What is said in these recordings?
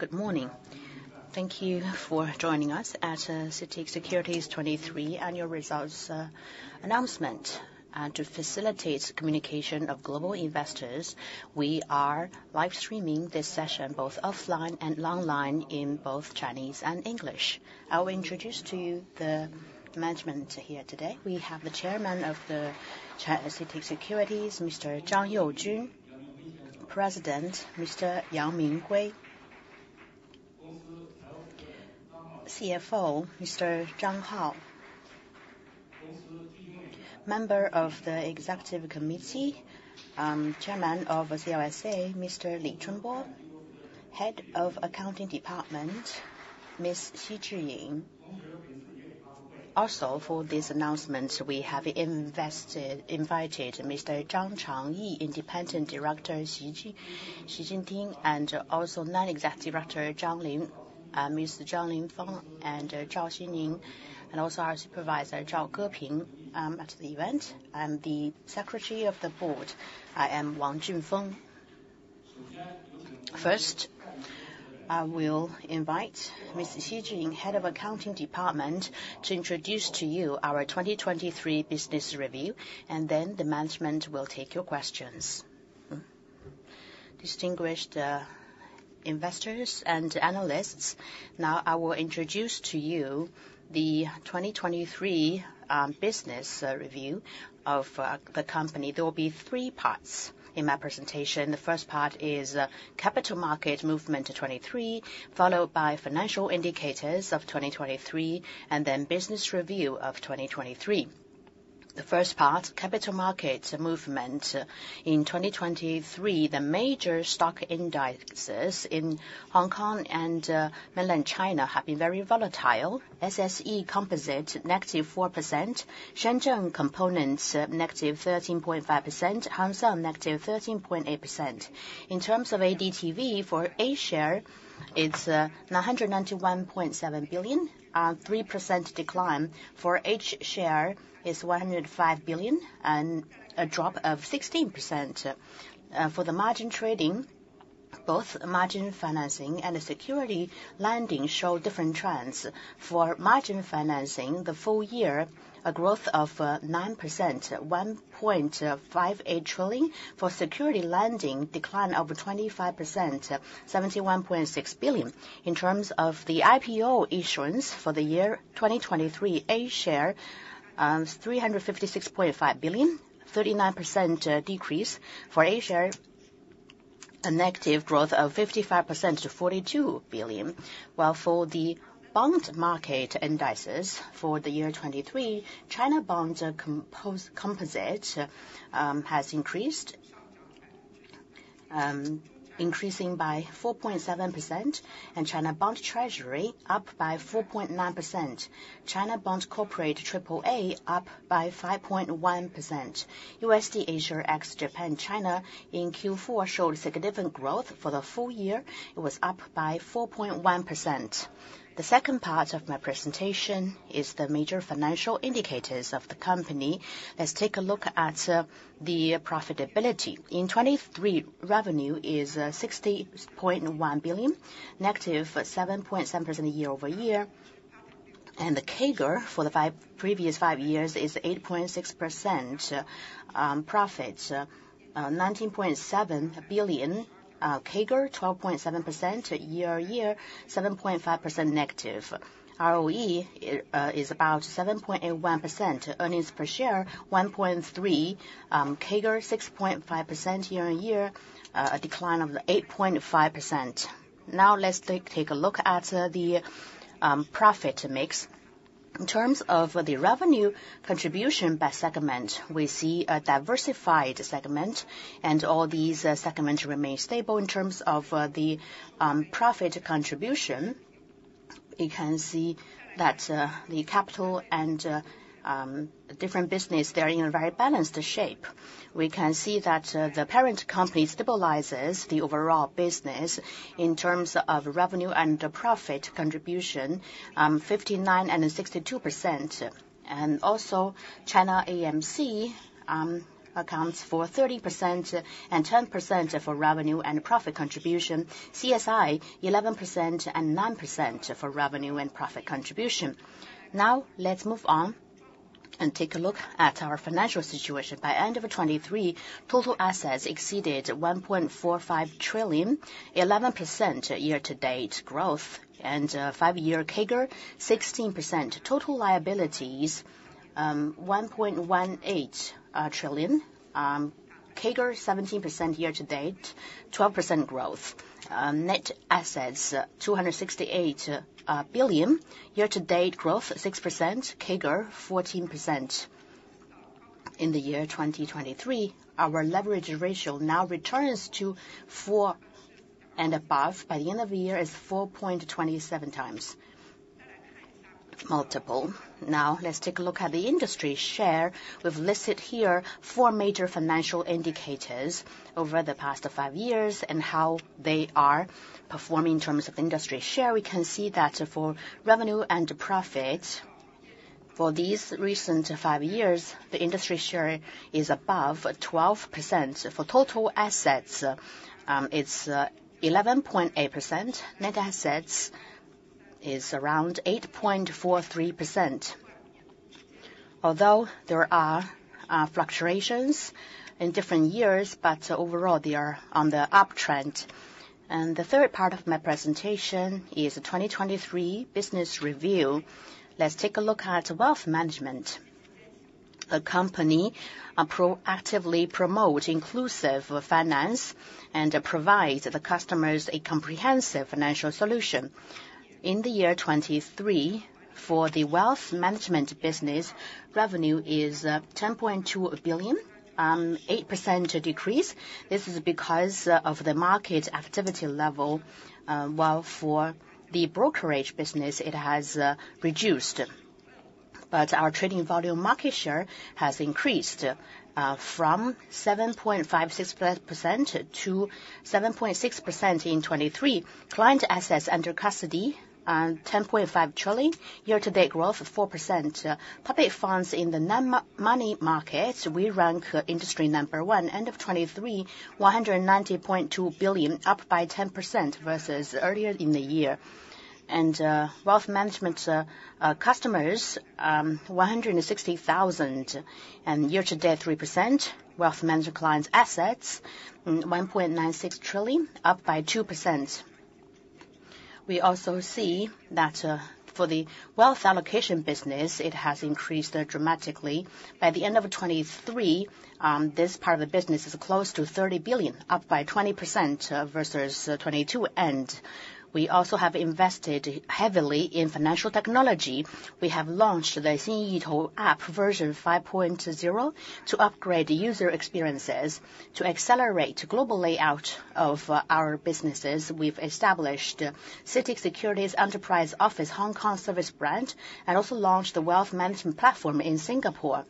Good morning. Thank you for joining us at CITIC Securities' 2023 annual results announcement. To facilitate communication of global investors, we are live streaming this session both offline and online, in both Chinese and English. I will introduce to you the management here today. We have the Chairman of China CITIC Securities, Mr. Zhang Youjun; President, Mr. Yang Minghui; CFO, Mr. Zhang Hao; member of the executive committee, Chairman of CLSA, Mr. Li Chunbo; Head of Accounting Department, Ms. Xi Zhiying. Also, for this announcement, we have invited Mr. Zhang Changyi, independent director, Xi Zhiying, and also non-exec director, Zhang Lin, Mr. Zhang Lin Fang, and Zhao Xianxin, and also our supervisor, Zhang Geping, at the event, and the Secretary of the Board, I am Wang Junfeng. First, I will invite Mr. Xi Zhiying, Head of Accounting Department, to introduce to you our 2023 business review, and then the management will take your questions. Distinguished investors and analysts, now I will introduce to you the 2023 business review of the company. There will be three parts in my presentation. The first part is capital market movement to 2023, followed by financial indicators of 2023, and then business review of 2023. The first part, capital markets movement. In 2023, the major stock indexes in Hong Kong and mainland China have been very volatile. SSE Composite, negative 4%, Shenzhen Component, negative 13.5%, Hang Seng, negative 13.8%. In terms of ADTV, for A-share, it's 991.7 billion, 3% decline. For H-share, it's 105 billion, and a drop of 16%. For the margin trading, both margin financing and the security lending show different trends. For margin financing, the full year, a growth of 9%, 1.58 trillion. For security lending, decline of 25%, 71.6 billion. In terms of the IPO issuance for the year 2023, A-share 356.5 billion, 39% decrease. For A-share, a negative growth of 55% to 42 billion. While for the bond market indices, for the year 2023, ChinaBond Composite has increased by 4.7%, and ChinaBond Treasury up by 4.9%. ChinaBond Corporate AAA, up by 5.1%. USD Asia ex-Japan China in Q4 showed significant growth. For the full year, it was up by 4.1%. The second part of my presentation is the major financial indicators of the company. Let's take a look at the profitability. In 2023, revenue is CNY 60.1 billion, -7.7% year-over-year, and the CAGR for the previous five years is 8.6%. Profits, CNY 19.7 billion, CAGR, 12.7%, year-over-year, -7.5%. ROE is about 7.81%. Earnings per share, 1.3, CAGR, 6.5% year-on-year, a decline of -8.5%. Now, let's take a look at the profit mix. In terms of the revenue contribution by segment, we see a diversified segment, and all these segments remain stable. In terms of the profit contribution, we can see that the capital and different business, they're in a very balanced shape. We can see that the parent company stabilizes the overall business in terms of revenue and the profit contribution, 59% and 62%. And also, China AMC accounts for 30% and 10% for revenue and profit contribution. CSI, 11% and 9% for revenue and profit contribution. Now, let's move on and take a look at our financial situation. By end of 2023, total assets exceeded 1.45 trillion, 11% year-to-date growth, and five-year CAGR, 16%. Total liabilities, 1.18 trillion, CAGR 17% year to date, 12% growth. Net assets, 268 billion. Year-to-date growth 6%, CAGR 14%. In the year 2023, our leverage ratio now returns to 4 and above. By the end of the year, it's 4.27 times multiple. Now, let's take a look at the industry share. We've listed here four major financial indicators over the past five years, and how they are performing in terms of industry share. We can see that for revenue and profit for these recent five years, the industry share is above 12%. For total assets, it's 11.8%. Net assets is around 8.43%. Although there are fluctuations in different years, but overall, they are on the uptrend. The third part of my presentation is the 2023 business review. Let's take a look at wealth management. The company proactively promote Inclusive Finance and provide the customers a comprehensive financial solution. In the year 2023, for the wealth management business, revenue is 10.2 billion, 8% decrease. This is because of the market activity level, while for the brokerage business, it has reduced. But our trading volume market share has increased from 7.56%-7.6% in 2023. Client assets under custody ten point five trillion, year-to-date growth of 4%. Public funds in the money market, we rank industry number one. End of 2023, 190.2 billion, up by 10% versus earlier in the year. And wealth management customers 160,000, and year-to-date, 3%. Wealth management clients' assets, 1.96 trillion, up by 2%. We also see that, for the wealth allocation business, it has increased, dramatically. By the end of 2023, this part of the business is close to 30 billion, up by 20%, versus 2022. And we also have invested heavily in financial technology. We have launched the Xinyitou app, version 5.0, to upgrade the user experiences. To accelerate global layout of, our businesses, we've established CITIC Securities Enterprise Office, Hong Kong service brand, and also launched the wealth management platform in Singapore.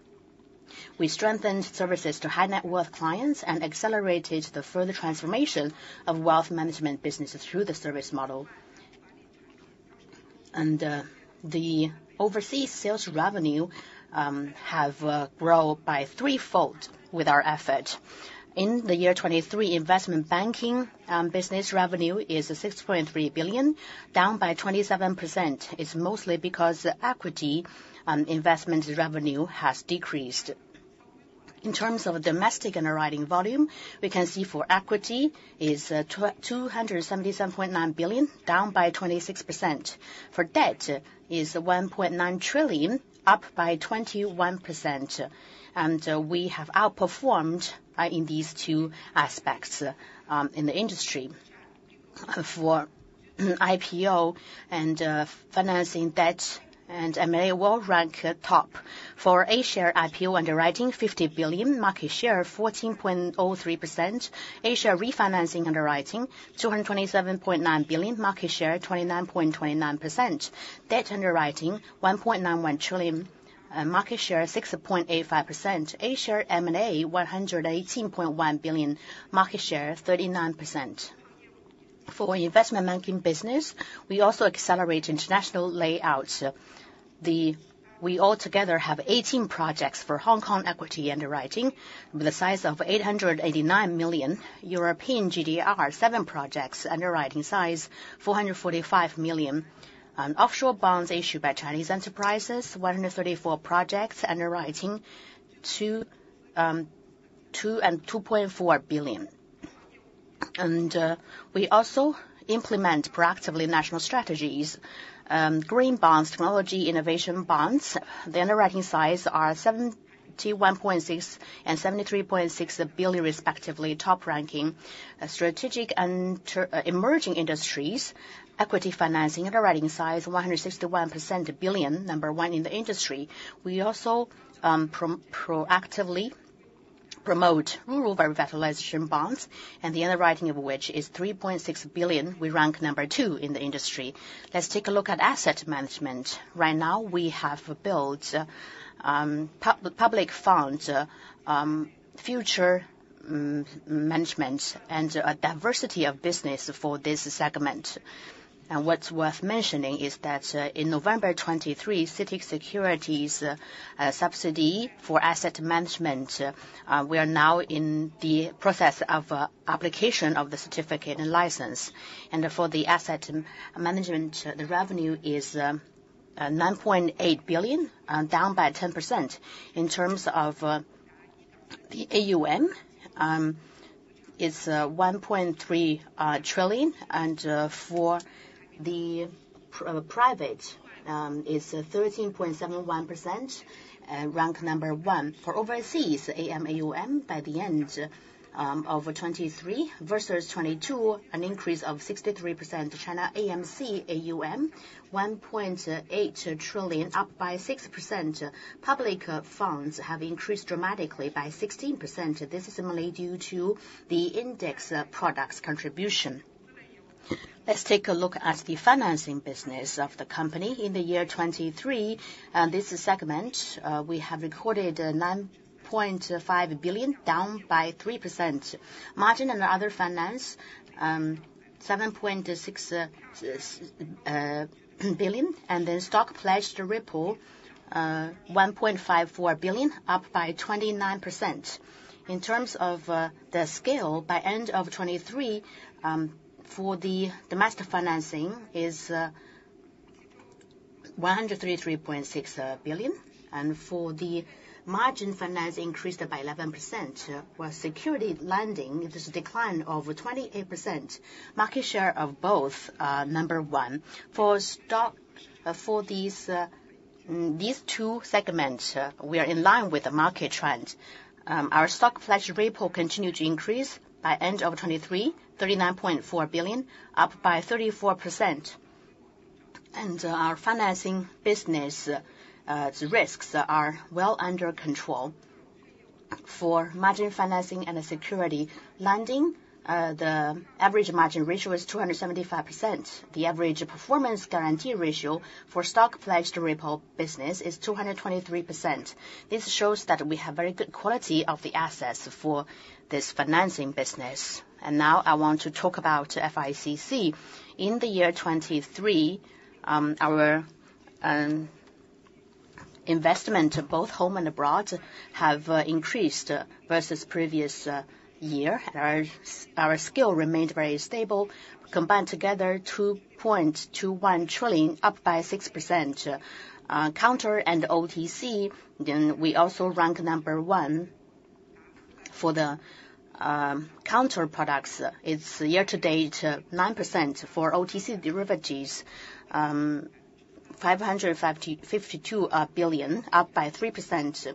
We strengthened services to high net worth clients and accelerated the further transformation of wealth management businesses through the service model. And, the overseas sales revenue, have, grown by threefold with our effort. In the year 2023, investment banking business revenue is 6.3 billion, down by 27%. It's mostly because equity investment revenue has decreased. In terms of domestic underwriting volume, we can see for equity is 277.9 billion, down by 26%. For debt, is 1.9 trillion, up by 21%, and we have outperformed in these two aspects in the industry. For IPO and financing debt, and M&A, we'll rank top. For A-share IPO underwriting, 50 billion. Market share, 14.03%. A-share refinancing underwriting, 227.9 billion. Market share, 29.29%. Debt underwriting, 1.91 trillion. Market share, 6.85%. A-share M&A, 118.1 billion. Market share, 39%. For investment banking business, we also accelerate international layout. We altogether have 18 projects for Hong Kong equity underwriting, with a size of 889 million. European GDR, 7 projects, underwriting size 445 million. Offshore bonds issued by Chinese enterprises, 134 projects, underwriting 22.4 billion. And we also implement proactively national strategies, green bonds, technology innovation bonds. The underwriting size are 71.6 billion and 73.6 billion respectively, top ranking. Strategic emerging industries, equity financing underwriting size 161 billion, number one in the industry. We also proactively promote rural revitalization bonds, and the underwriting of which is 3.6 billion. We rank number two in the industry. Let's take a look at asset management. Right now, we have built public funds, futures management and a diversity of business for this segment. And what's worth mentioning is that, in November 2023, CITIC Securities subsidiary for asset management, we are now in the process of application of the certificate and license. And for the asset management, the revenue is 9.8 billion, down by 10%. In terms of the AUM, it's 1.3 trillion, and for the private, it's 13.71%, rank number one. For overseas AM AUM, by the end of 2023 versus 2022, an increase of 63%. China AMC AUM, 1.8 trillion, up by 6%. Public funds have increased dramatically by 16%. This is mainly due to the index products contribution. Let's take a look at the financing business of the company. In the year 2023, this segment we have recorded 9.5 billion, down by 3%. Margin and other finance, 7.6 billion, and then Stock Pledge Repo, 1.54 billion, up by 29%. In terms of the scale, by end of 2023, for the domestic financing is 133.6 billion, and for the margin financing increased by 11%. While securities lending, this decline of 28%. Market share of both number one. For stock, for these two segments, we are in line with the market trend. Our Stock Pledge Repo continued to increase by end of 2023, 39.4 billion, up 34%. And our financing business, the risks are well under control. For margin financing and the securities lending, the average margin ratio is 275%. The average performance guarantee ratio for stock pledge repo business is 223%. This shows that we have very good quality of the assets for this financing business. And now I want to talk about FICC. In the year 2023, our investment to both home and abroad have increased versus previous year. Our scale remained very stable. Combined together, 2.21 trillion, up 6%. Counter and OTC, then we also rank number one. For the counter products, it's year to date 9%. For OTC derivatives, 552 billion, up by 3%.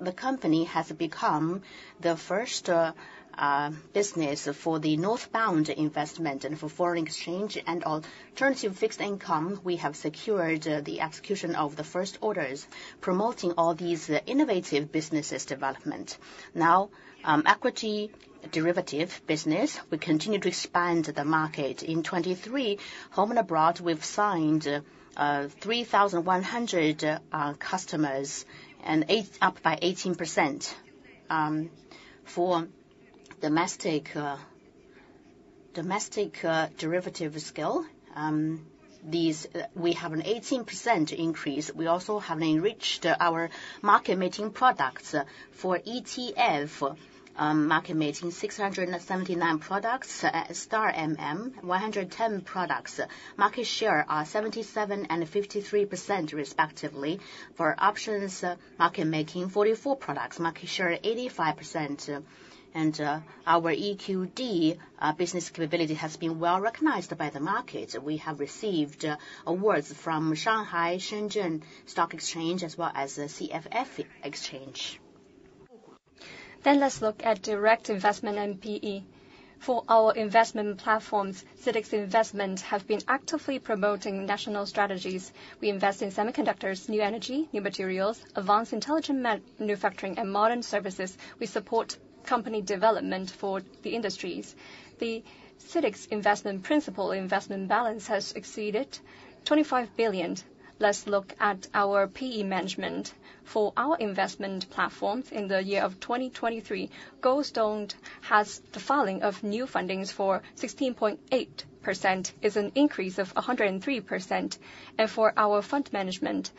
The company has become the first business for the northbound investment and for foreign exchange and alternative fixed income. We have secured the execution of the first orders, promoting all these innovative businesses development. Now, equity derivative business, we continue to expand the market. In 2023, home and abroad, we've signed 3,100 customers, up by 18%. For domestic derivative scale, we have an 18% increase. We also have enriched our market-making products. For ETF market-making, 679 products. At STAR MM, 110 products. Market share are 77% and 53% respectively. For options market-making, 44 products. Market share, 85%. And, our EQD business capability has been well-recognized by the market. We have received awards from the Shanghai Stock Exchange, the Shenzhen Stock Exchange, as well as the CFFEX. Then let's look at direct investment and PE. For our investment platforms, CITIC Goldstone Investment has been actively promoting national strategies. We invest in semiconductors, new energy, new materials, advanced intelligent manufacturing, and modern services. We support company development for the industries. The CITIC Goldstone Investment principal investment balance has exceeded 25 billion. Let's look at our PE management. For our investment platforms in the year of 2023, Goldstone has the filing of new fundings for 16.8%. It's an increase of 103%. And for our fund management,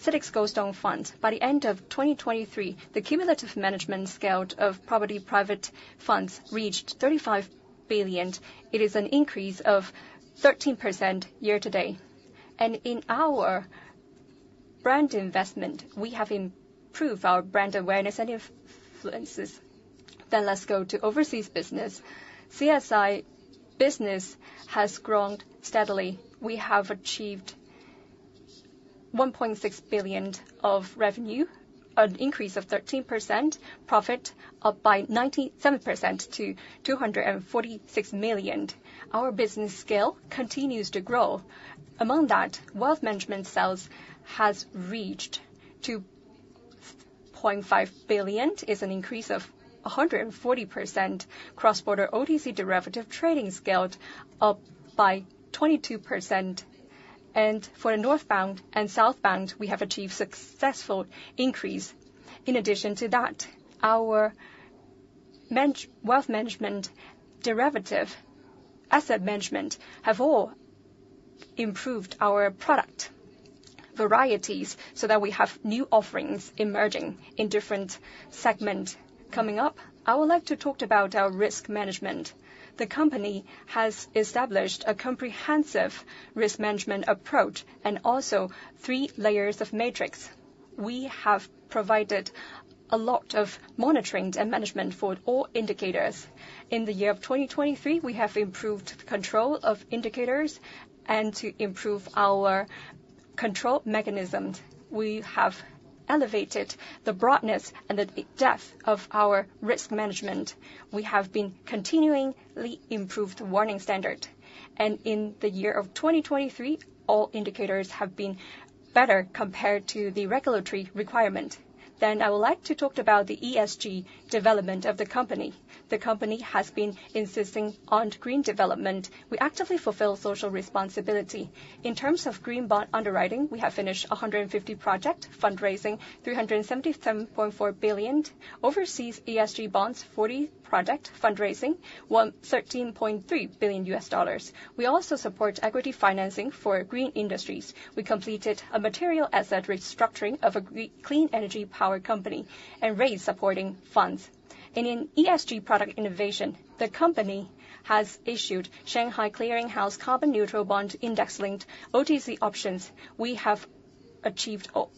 CITIC Goldstone Funds, by the end of 2023, the cumulative management scale of private equity funds reached 35 billion. It is an increase of 13% year to date. And in our private investment, we have improved our brand awareness and influences. Then let's go to overseas business. CSI business has grown steadily. We have achieved 1.6 billion of revenue, an increase of 13%, profit up by 97% to 246 million. Our business scale continues to grow. Among that, wealth management sales has reached 2.5 billion. It's an increase of 140%. Cross-border OTC derivative trading scaled up by 22%. And for the northbound and southbound, we have achieved successful increase. In addition to that, our wealth management derivative asset management have all improved our product varieties, so that we have new offerings emerging in different segments. Coming up, I would like to talk about our risk management. The company has established a comprehensive risk management approach, and also three layers of matrix. We have provided a lot of monitoring and management for all indicators. In the year of 2023, we have improved control of indicators and to improve our control mechanisms. We have elevated the broadness and the depth of our risk management. We have continually improved warning standards. In the year of 2023, all indicators have been better compared to the regulatory requirement. Then I would like to talk about the ESG development of the company. The company has been insisting on green development. We actively fulfill social responsibility. In terms of green bond underwriting, we have finished 150 projects, fundraising 377.4 billion. Overseas ESG bonds, 40 projects, fundraising $113.3 billion. We also support equity financing for green industries. We completed a material asset restructuring of a green clean energy power company, and raised supporting funds. In ESG product innovation, the company has issued Shanghai Clearing House carbon neutral bond index linked OTC options. We have achieved about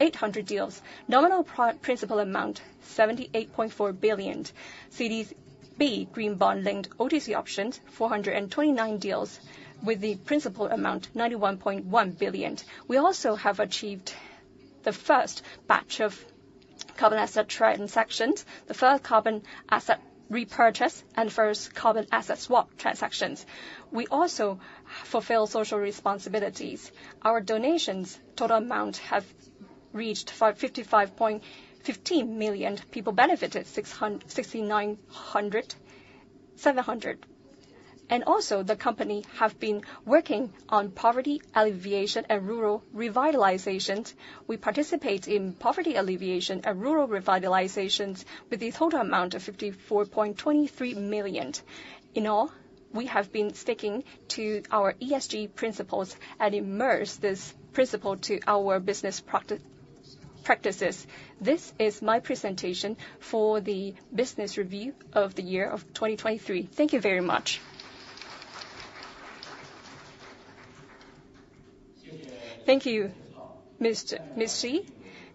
eight hundred deals. Nominal principal amount, 78.4 billion. CDB green bond linked OTC options, 429 deals with the principal amount, 91.1 billion. We also have achieved the first batch of carbon asset transactions, the first carbon asset repurchase, and first carbon asset swap transactions. We also fulfill social responsibilities. Our donations' total amount have reached 55.15 million. People benefited, 669,700. The company have been working on poverty alleviation and rural revitalizations. We participate in poverty alleviation and rural revitalizations with a total amount of 54.23 million. In all, we have been sticking to our ESG principles and immerse this principle to our business practices. This is my presentation for the business review of the year of 2023. Thank you very much. Thank you, Ms. Xi.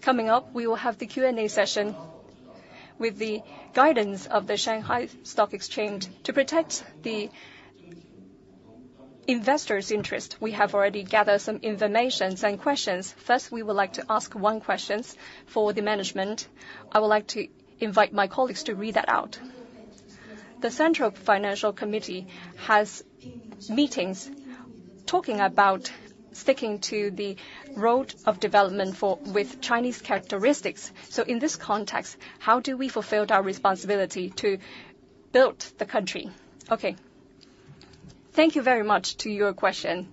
Coming up, we will have the Q&A session with the guidance of the Shanghai Stock Exchange. To protect the investors' interest, we have already gathered some information and questions. First, we would like to ask one question for the management. I would like to invite my colleagues to read that out. The Central Financial Committee has meetings talking about sticking to the road of development with Chinese characteristics. So in this context, how do we fulfill our responsibility to build the country? Okay. Thank you very much to your question.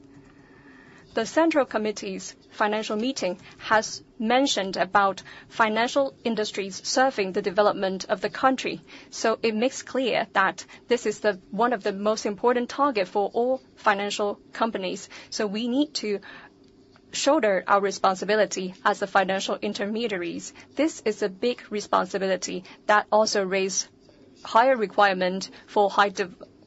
The Central Committee's financial meeting has mentioned about financial industries serving the development of the country, so it makes clear that this is the, one of the most important target for all financial companies. We need to shoulder our responsibility as the financial intermediaries. This is a big responsibility that also raise higher requirement for high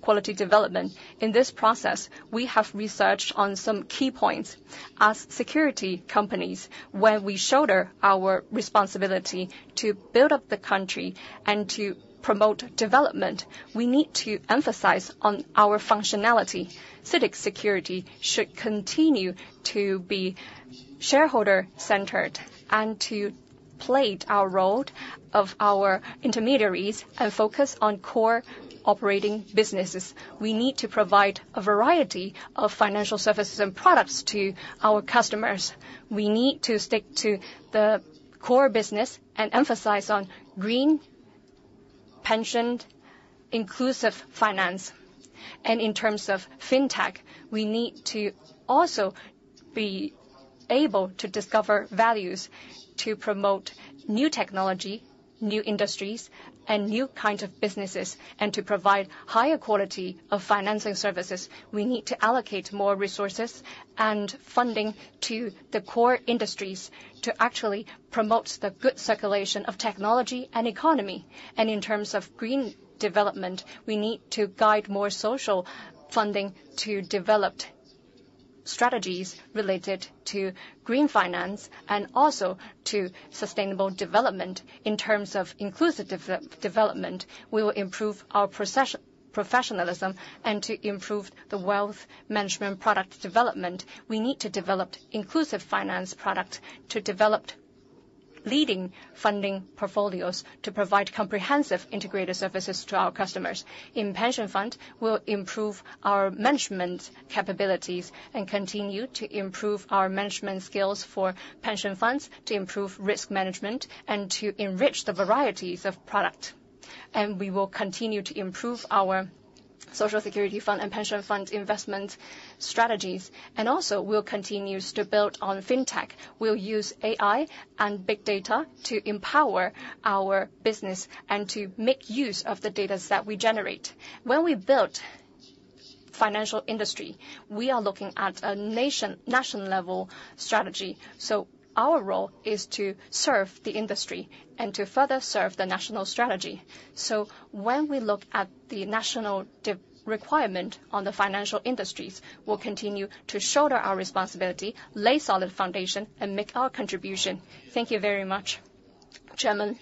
quality development. In this process, we have researched on some key points. As securities companies, when we shoulder our responsibility to build up the country and to promote development, we need to emphasize on our functionality. CITIC Securities should continue to be shareholder-centered, and to play our role of our intermediaries and focus on core operating businesses. We need to provide a variety of financial services and products to our customers. We need to stick to the core business and emphasize on green, pension, and inclusive finance. In terms of fintech, we need to also be able to discover values to promote new technology, new industries, and new kind of businesses. To provide higher quality of financing services, we need to allocate more resources and funding to the core industries to actually promote the good circulation of technology and economy. In terms of green development, we need to guide more social funding to developed strategies related to green finance, and also to sustainable development. In terms of inclusive development, we will improve our professionalism, and to improve the wealth management product development, we need to develop inclusive finance product, to developed leading funding portfolios, to provide comprehensive integrated services to our customers. In pension fund, we'll improve our management capabilities and continue to improve our management skills for pension funds, to improve risk management, and to enrich the varieties of product. We will continue to improve our social security fund and pension fund investment strategies, and also we'll continue to build on fintech. We'll use AI and big data to empower our business and to make use of the dataset we generate. When we build financial industry, we are looking at a nation, national-level strategy, so our role is to serve the industry and to further serve the national strategy. When we look at the national requirement on the financial industries, we'll continue to shoulder our responsibility, lay solid foundation, and make our contribution. Thank you very much, Chairman.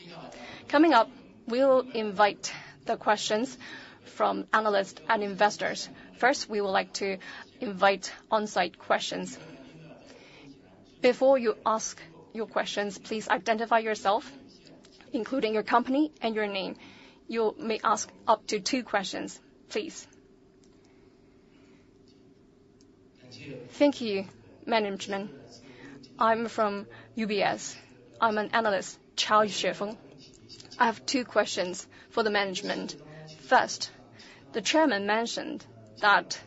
Coming up, we will invite the questions from analysts and investors. First, we would like to invite on-site questions. Before you ask your questions, please identify yourself.... including your company and your name. You may ask up to 2 questions, please. Thank you, management. I'm from UBS. I'm an analyst, Cao Xuefeng. I have two questions for the management. First, the chairman mentioned that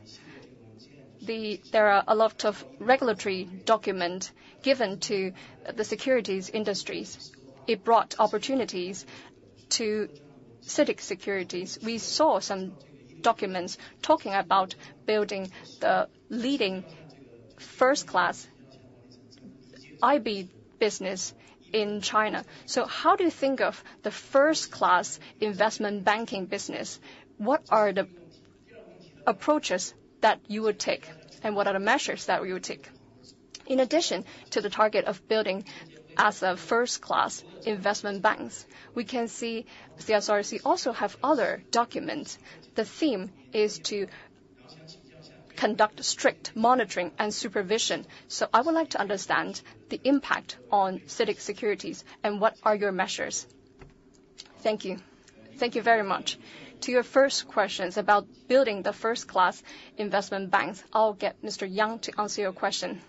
there are a lot of regulatory documents given to the securities industries. It brought opportunities to CITIC Securities. We saw some documents talking about building the leading first-class IB business in China. So how do you think of the first-class investment banking business? What are the approaches that you would take, and what are the measures that you would take? In addition to the target of building as a first-class investment banks, we can see CSRC also have other documents. The theme is to conduct strict monitoring and supervision. So I would like to understand the impact on CITIC Securities, and what are your measures? Thank you. Thank you very much. To your first questions about building the first-class investment banks, I'll get Mr. Yang to answer your question.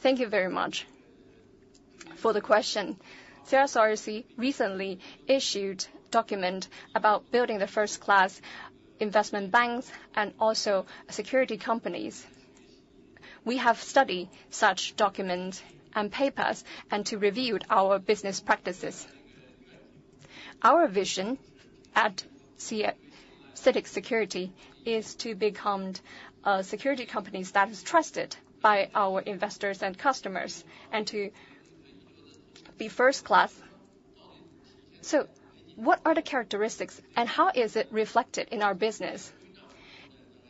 Thank you very much for the question. CSRC recently issued document about building the first-class investment banks and also securities companies. We have studied such documents and papers and reviewed our business practices. Our vision at CITIC Securities is to become a securities company that is trusted by our investors and customers, and to be first class. So what are the characteristics, and how is it reflected in our business?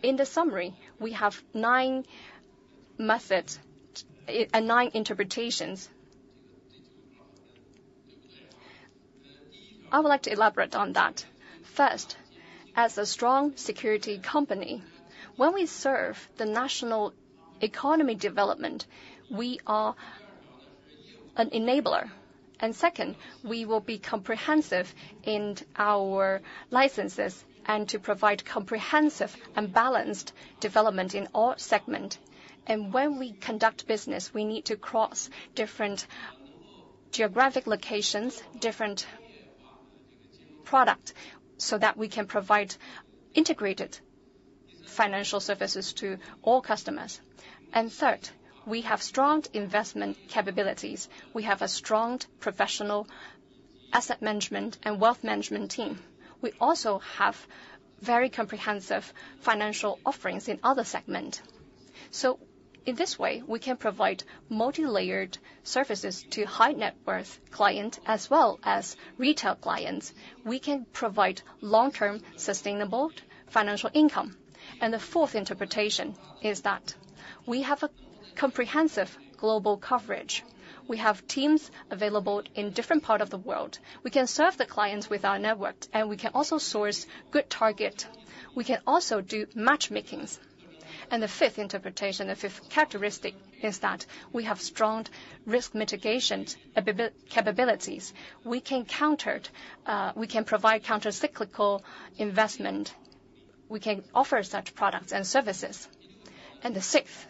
In the summary, we have nine methods and nine interpretations. I would like to elaborate on that. First, as a strong securities company, when we serve the national economy development, we are an enabler. Second, we will be comprehensive in our licenses and to provide comprehensive and balanced development in all segments. And when we conduct business, we need to cross different geographic locations, different products, so that we can provide integrated financial services to all customers. And third, we have strong investment capabilities. We have a strong professional asset management and wealth management team. We also have very comprehensive financial offerings in other segment. So in this way, we can provide multi-layered services to high-net-worth client as well as retail clients. We can provide long-term, sustainable financial income. And the fourth interpretation is that we have a comprehensive global coverage. We have teams available in different part of the world. We can serve the clients with our network, and we can also source good target. We can also do matchmakings. And the fifth interpretation, the fifth characteristic, is that we have strong risk mitigation capabilities. We can provide countercyclical investment. We can offer such products and services. And the sixth,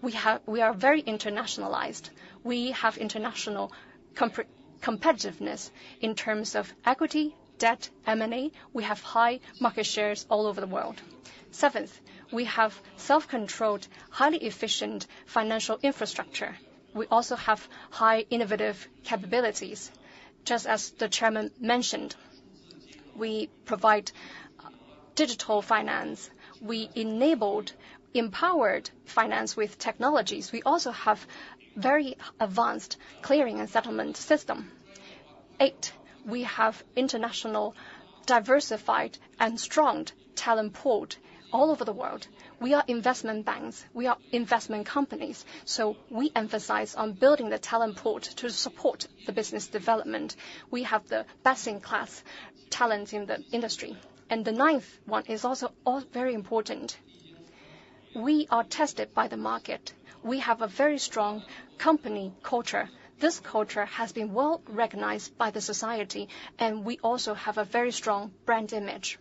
we are very internationalized. We have international competitiveness in terms of equity, debt, M&A. We have high market shares all over the world. Seventh, we have self-controlled, highly efficient financial infrastructure. We also have high innovative capabilities. Just as the chairman mentioned, we provide digital finance. We enabled empowered finance with technologies. We also have very advanced clearing and settlement system. Eight, we have international, diversified, and strong talent pool all over the world. We are investment banks, we are investment companies, so we emphasize on building the talent pool to support the business development. We have the best-in-class talent in the industry. And the ninth one is also, all very important. We are tested by the market. We have a very strong company culture. This culture has been well-recognized by the society, and we also have a very strong brand image.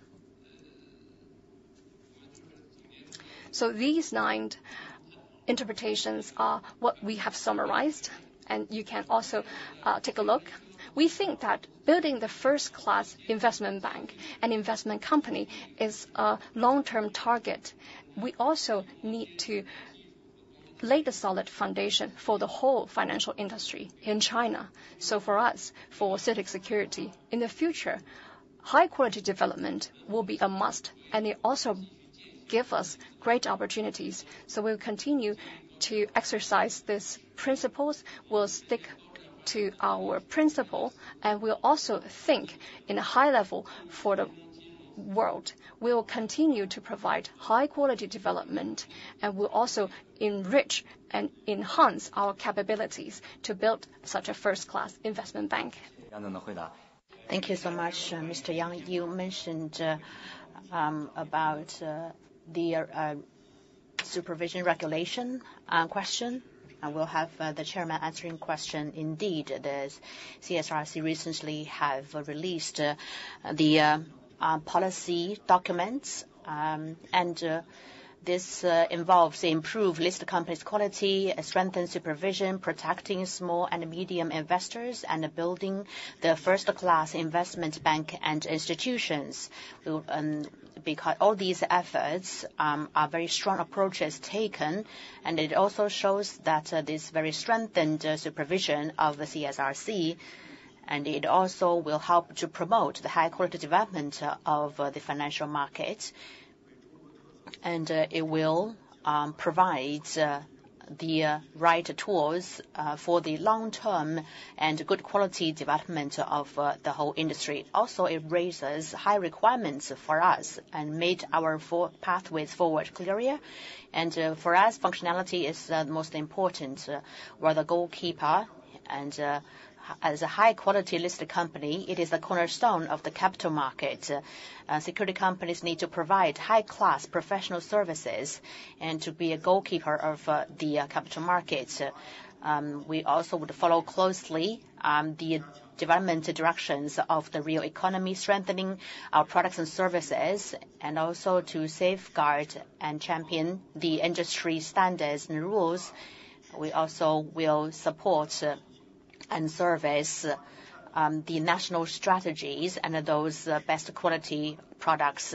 So these nine interpretations are what we have summarized, and you can also take a look. We think that building the first-class investment bank and investment company is a long-term target. We also need to lay the solid foundation for the whole financial industry in China. So for us, for CITIC Securities, in the future, high-quality development will be a must, and it also give us great opportunities. So we'll continue to exercise these principles, we'll stick to our principle, and we'll also think in a high level for the world. We will continue to provide high-quality development, and we'll also enrich and enhance our capabilities to build such a first-class investment bank. Thank you so much, Mr. Yang. You mentioned about the... supervision regulation question, I will have the chairman answering question. Indeed, the CSRC recently have released the policy documents, and this involves improved list of companies' quality, strengthen supervision, protecting small and medium investors, and building the first-class investment bank and institutions. So, because all these efforts are very strong approaches taken, and it also shows that this very strengthened supervision of the CSRC, and it also will help to promote the high-quality development of the financial market. And it will provide the right tools for the long-term and good quality development of the whole industry. Also, it raises high requirements for us and made our forward pathways clearer. And for us, functionality is the most important. We're the goalkeeper, and as a high-quality listed company, it is the cornerstone of the capital market. Securities companies need to provide high-class professional services and to be a goalkeeper of the capital markets. We also would follow closely the development directions of the real economy, strengthening our products and services, and also to safeguard and champion the industry standards and rules. We also will support and service the national strategies and those best quality products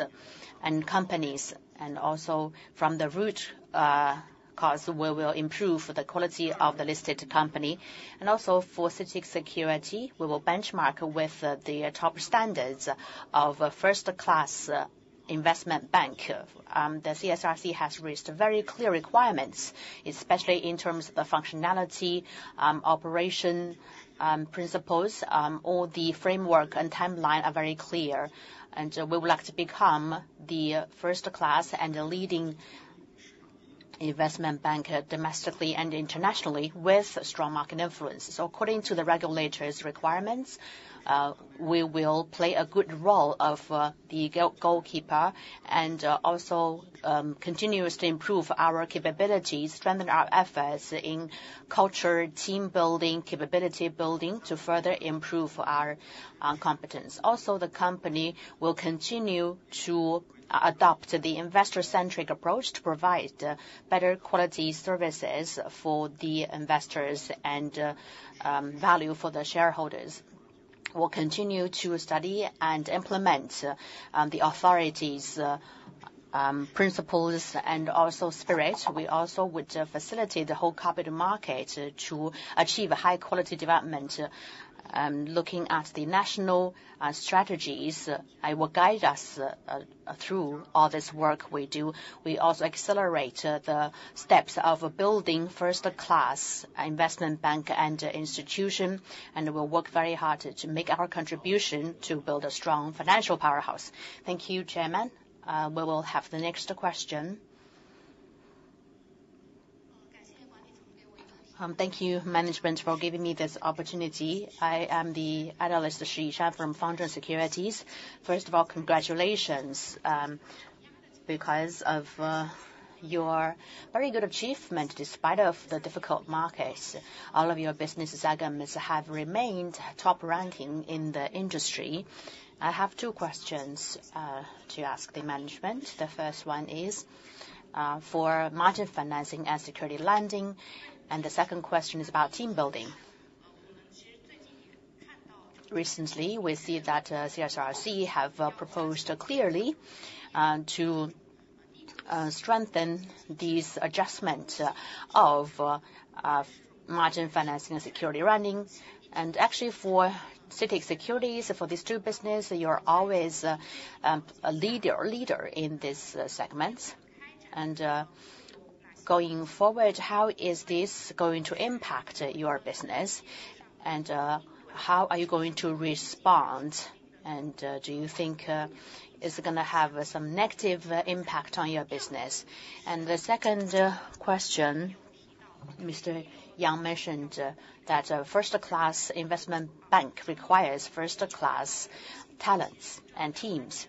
and companies. And also from the root cause, we will improve the quality of the listed company. And also for CITIC Securities, we will benchmark with the top standards of a first-class investment bank. The CSRC has raised very clear requirements, especially in terms of the functionality, operation principles. All the framework and timeline are very clear, and we would like to become the first class and the leading investment bank domestically and internationally with strong market influence. So according to the regulators' requirements, we will play a good role of the gatekeeper and also continuously improve our capabilities, strengthen our efforts in culture, team building, capability building to further improve our competence. Also, the company will continue to adopt the investor-centric approach to provide better quality services for the investors and value for the shareholders. We'll continue to study and implement the authorities' principles and also spirit. We also would facilitate the whole capital market to achieve a high quality development. Looking at the national strategies will guide us through all this work we do. We also accelerate the steps of building first-class investment bank and institution, and we'll work very hard to make our contribution to build a strong financial powerhouse. Thank you, Chairman. We will have the next question. Thank you, management, for giving me this opportunity. I am the analyst, Shi Hua from Founder Securities. First of all, congratulations because of your very good achievement, despite of the difficult markets. All of your business segments have remained top ranking in the industry. I have two questions to ask the management. The first one is for margin financing and security lending, and the second question is about team building. Recently, we see that CSRC have proposed clearly to strengthen these adjustments of margin financing and security lending. Actually for CITIC Securities, for these two business, you are always a leader, leader in this segment. Going forward, how is this going to impact your business, and how are you going to respond? Do you think it's gonna have some negative impact on your business? The second question, Mr. Yang mentioned that a first-class investment bank requires first-class talents and teams.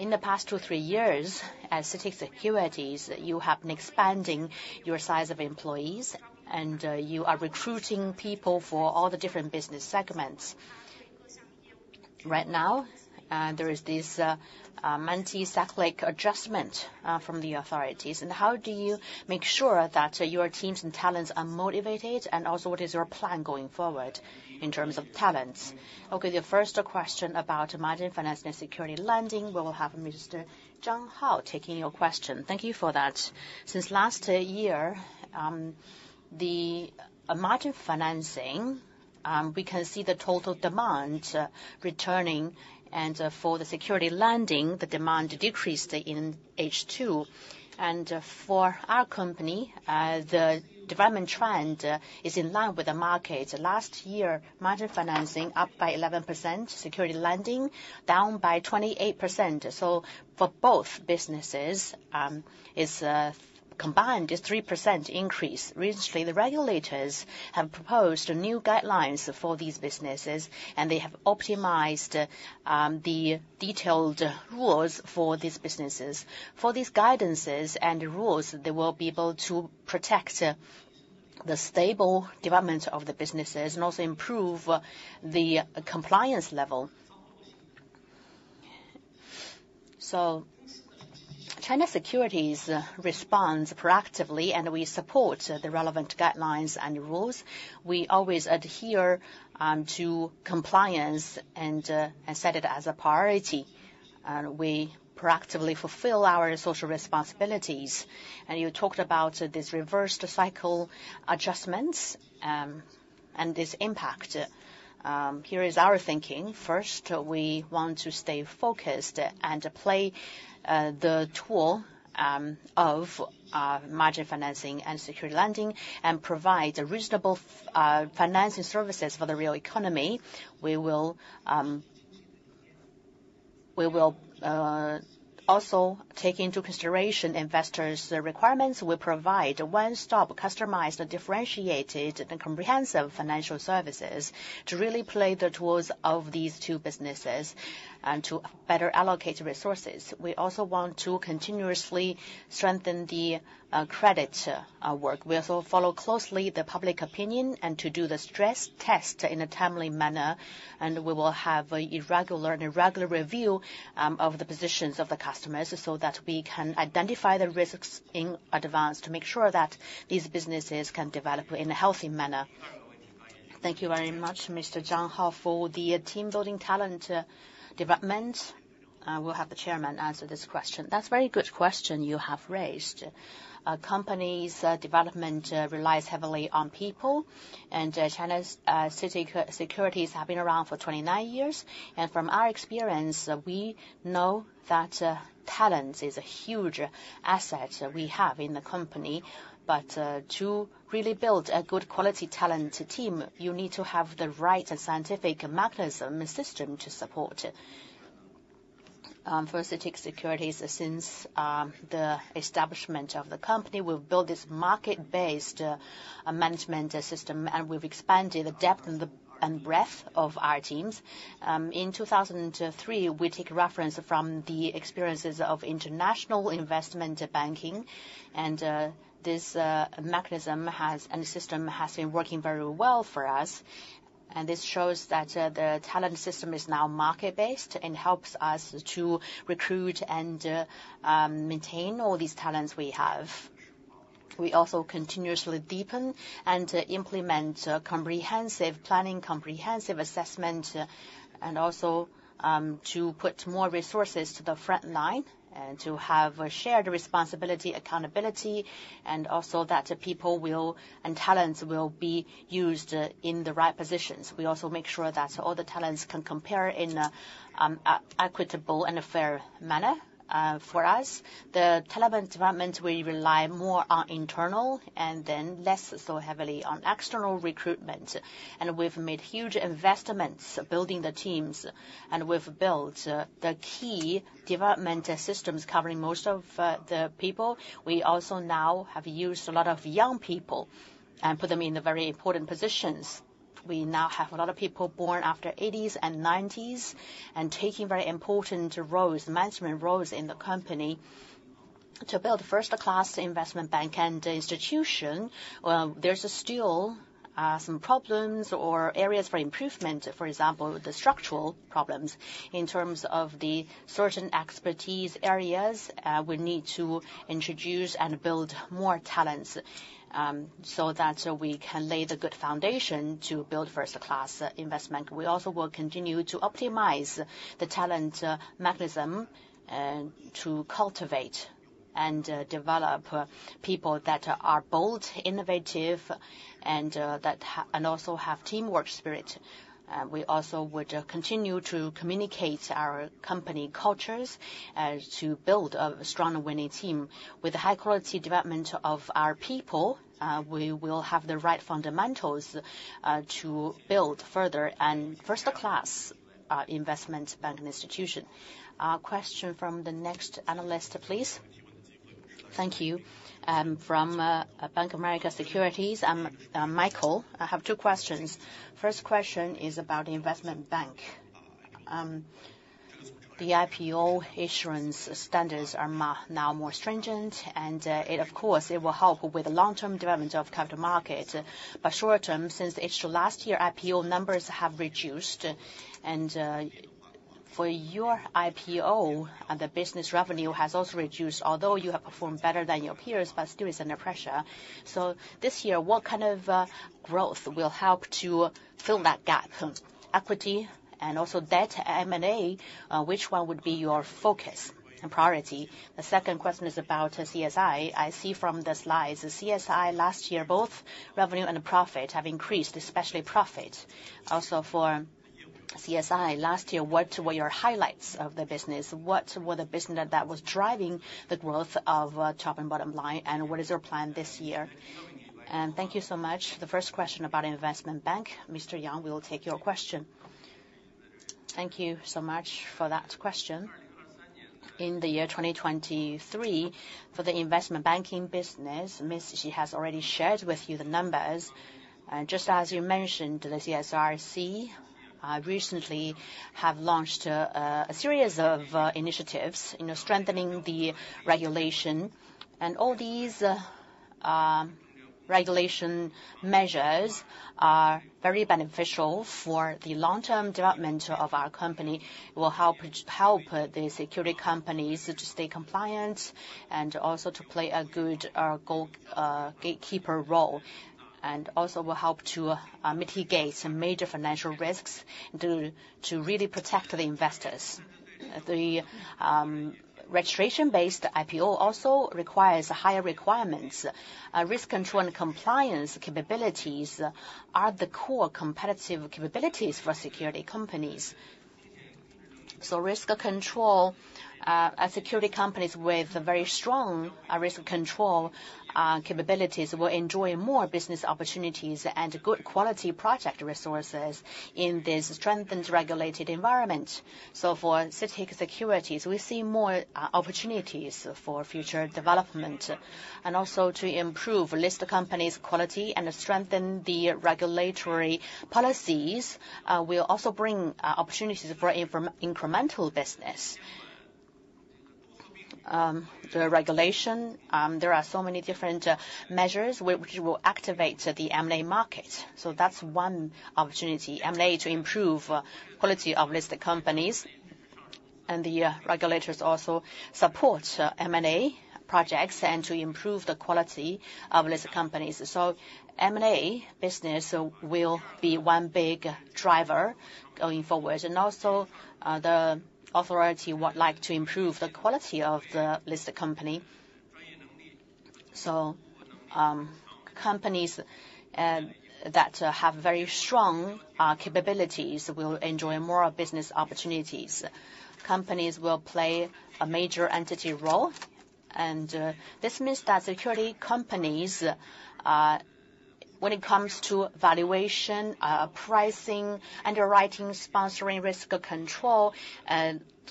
In the past 2-3 years, as CITIC Securities, you have been expanding your size of employees, and you are recruiting people for all the different business segments. Right now, there is this countercyclical adjustment from the authorities, and how do you make sure that your teams and talents are motivated? Also, what is your plan going forward in terms of talents? Okay, the first question about margin financing and securities lending, we will have Mr. Zhang Hao taking your question. Thank you for that. Since last year, the margin financing, we can see the total demand returning, and, for the securities lending, the demand decreased in H2. And, for our company, the development trend is in line with the market. Last year, margin financing up by 11%, securities lending down by 28%. So for both businesses, is, combined is 3% increase. Recently, the regulators have proposed new guidelines for these businesses, and they have optimized the detailed rules for these businesses. For these guidances and rules, they will be able to protect the stable development of the businesses and also improve the compliance level. So CITIC Securities responds proactively, and we support the relevant guidelines and rules. We always adhere to compliance and set it as a priority. We proactively fulfill our social responsibilities. You talked about this reverse cycle adjustments and this impact. Here is our thinking. First, we want to stay focused and play the tool of margin financing and securities lending, and provide reasonable financing services for the real economy. We will also take into consideration investors' requirements. We provide a one-stop, customized, and differentiated, and comprehensive financial services to really play the tools of these two businesses and to better allocate resources. We also want to continuously strengthen the credit work. We also follow closely the public opinion and to do the stress test in a timely manner, and we will have a irregular and a regular review, of the positions of the customers, so that we can identify the risks in advance to make sure that these businesses can develop in a healthy manner. Thank you very much, Mr. Zhang Hao. For the team-building talent, development, we'll have the chairman answer this question. That's a very good question you have raised. Company's development relies heavily on people, and, China's CITIC Securities have been around for 29 years. And from our experience, we know that, talent is a huge asset we have in the company. But, to really build a good quality talent team, you need to have the right and scientific mechanism and system to support it. For CITIC Securities, since the establishment of the company, we've built this market-based management system, and we've expanded the depth and breadth of our teams. In 2003, we take reference from the experiences of international investment banking, and this mechanism and system has been working very well for us. This shows that the talent system is now market-based and helps us to recruit and maintain all these talents we have. We also continuously deepen and implement comprehensive planning, comprehensive assessment, and also to put more resources to the front line and to have a shared responsibility, accountability, and also that the people and talents will be used in the right positions. We also make sure that all the talents can compare in a equitable and fair manner. For us, the talent development, we rely more on internal and then less so heavily on external recruitment. And we've made huge investments building the teams, and we've built the key development systems covering most of the people. We also now have used a lot of young people and put them in the very important positions. We now have a lot of people born after '80s and '90s, and taking very important roles, management roles in the company. To build a first-class investment bank and institution, well, there's still some problems or areas for improvement. For example, the structural problems in terms of the certain expertise areas, we need to introduce and build more talents, so that we can lay the good foundation to build first-class investment. We also will continue to optimize the talent mechanism to cultivate and develop people that are bold, innovative, and that and also have teamwork spirit. We also would continue to communicate our company cultures to build a strong, winning team. With the high-quality development of our people, we will have the right fundamentals to build further and first-class investment bank and institution. Question from the next analyst, please. Thank you. From Bank of America Securities, Michael, I have two questions. First question is about the investment bank. The IPO issuance standards are now more stringent, and it of course, it will help with the long-term development of capital markets. But short-term, since H2 last year, IPO numbers have reduced, and, for your IPO, the business revenue has also reduced. Although you have performed better than your peers, but still is under pressure. So this year, what kind of growth will help to fill that gap? Equity and also debt, M&A, which one would be your focus and priority? The second question is about CSI. I see from the slides, the CSI last year, both revenue and profit have increased, especially profit. Also for CSI last year, what were your highlights of the business? What were the business that was driving the growth of top and bottom line, and what is your plan this year? And thank you so much. The first question about investment bank, Mr. Yang, we will take your question. Thank you so much for that question. In the year 2023, for the investment banking business, Ms. Shi has already shared with you the numbers. Just as you mentioned, the CSRC recently have launched a series of initiatives, you know, strengthening the regulation. And all these regulation measures are very beneficial for the long-term development of our company, will help the securities companies to stay compliant and also to play a good gatekeeper role, and also will help to mitigate some major financial risks to really protect the investors. The registration-based IPO also requires higher requirements. Risk control and compliance capabilities are the core competitive capabilities for securities companies. So, as securities companies with very strong risk control capabilities, will enjoy more business opportunities and good quality project resources in this strengthened regulated environment. So for CITIC Securities, we see more opportunities for future development, and also to improve listed companies' quality and strengthen the regulatory policies will also bring opportunities for incremental business. The regulation, there are so many different measures which will activate the M&A market, so that's one opportunity, M&A to improve quality of listed companies. And the regulators also support M&A projects and to improve the quality of listed companies. So M&A business will be one big driver going forward. And also, the authority would like to improve the quality of the listed company. So companies that have very strong capabilities will enjoy more business opportunities. Companies will play a major entity role, and this means that securities companies, when it comes to valuation, pricing, underwriting, sponsoring, risk control,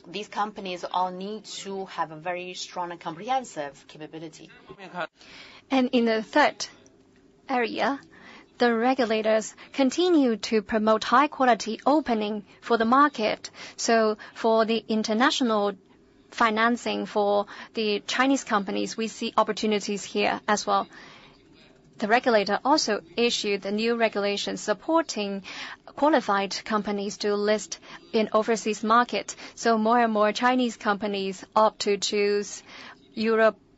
these companies all need to have a very strong and comprehensive capability. In the third area, the regulators continue to promote high-quality opening for the market. So for the international financing for the Chinese companies, we see opportunities here as well. The regulator also issued a new regulation supporting qualified companies to list in overseas market, so more and more Chinese companies opt to choose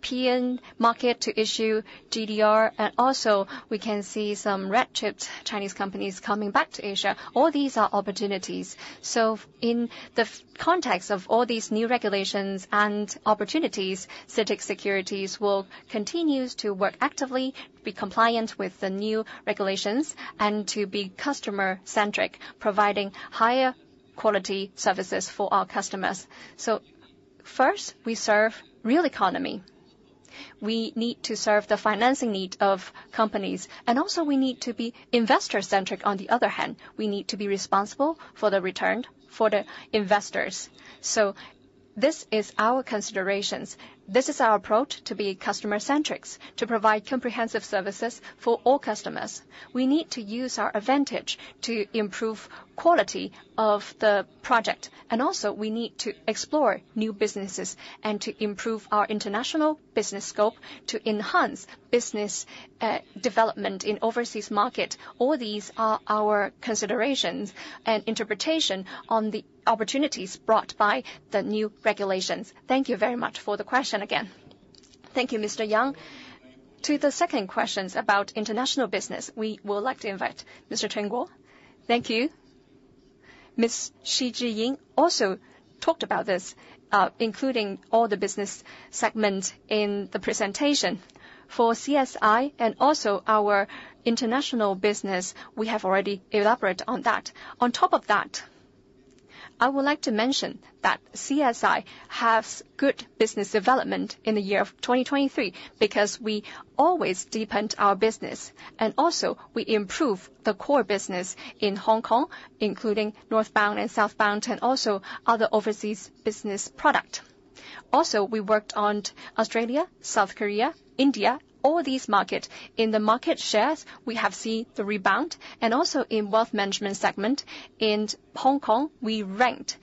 European market to issue GDR. And also we can see some red-chipped Chinese companies coming back to Asia. All these are opportunities. So in the context of all these new regulations and opportunities, CITIC Securities will continue to work actively, be compliant with the new regulations, and to be customer-centric, providing higher quality services for our customers. So first, we serve real economy. We need to serve the financing need of companies, and also we need to be investor-centric on the other hand. We need to be responsible for the return for the investors. So this is our considerations. This is our approach to be customer-centric, to provide comprehensive services for all customers. We need to use our advantage to improve quality of the project, and also we need to explore new businesses and to improve our international business scope to enhance business, development in overseas market. All these are our considerations and interpretation on the opportunities brought by the new regulations. Thank you very much for the question again. Thank you, Mr. Yang. To the second questions about international business, we would like to invite Mr. Chen Guo. Thank you. Ms. Xi Zhiying also talked about this, including all the business segment in the presentation. For CSI and also our international business, we have already elaborate on that. On top of that, I would like to mention that CSI has good business development in the year of 2023, because we always deepened our business, and also we improved the core business in Hong Kong, including northbound and southbound, and also other overseas business product. Also, we worked on Australia, South Korea, India, all these market. In the market shares, we have seen the rebound, and also in wealth management segment in Hong Kong, we ranked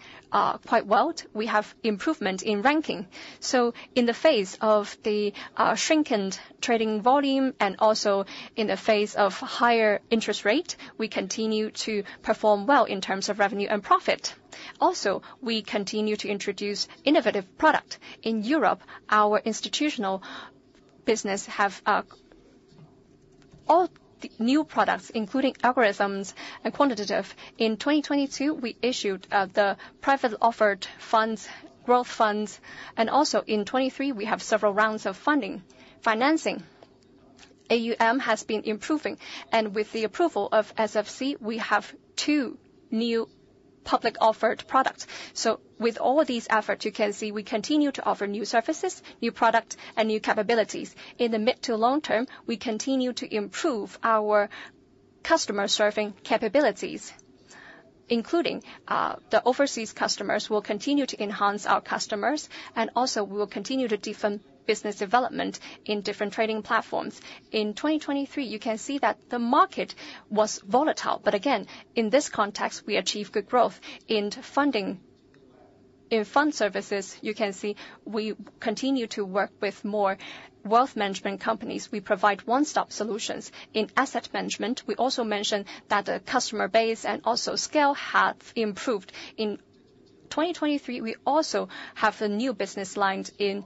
quite well. We have improvement in ranking. So in the face of the shrinkened trading volume, and also in the face of higher interest rate, we continue to perform well in terms of revenue and profit. Also, we continue to introduce innovative product. In Europe, our institutional business have... All the new products, including algorithms and quantitative, in 2022, we issued the private offered funds, growth funds, and also in 2023, we have several rounds of funding. Financing AUM has been improving, and with the approval of SFC, we have two new public offered products. So with all these efforts, you can see we continue to offer new services, new product, and new capabilities. In the mid to long-term, we continue to improve our customer-serving capabilities, including the overseas customers. We'll continue to enhance our customers, and also we will continue to deepen business development in different trading platforms. In 2023, you can see that the market was volatile, but again, in this context, we achieved good growth in funding. In fund services, you can see we continue to work with more wealth management companies. We provide one-stop solutions in asset management. We also mentioned that the customer base and also scale have improved. In 2023, we also have the new business lines in